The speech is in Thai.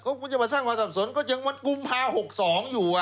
ก็คือพอช่างหวัศัพท์สวนก็จึงวันกุมภาคม๖๒อยู่